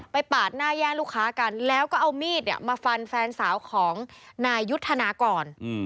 ปาดหน้าแย่ลูกค้ากันแล้วก็เอามีดมาฟันแฟนสาวของนายยุทธนาก่อน